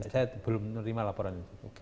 saya belum menerima laporan